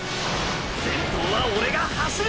先頭はオレが走る！！